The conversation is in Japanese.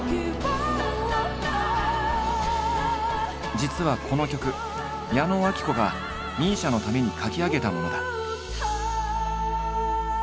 実はこの曲矢野顕子がＭＩＳＩＡのために書き上げたものだ。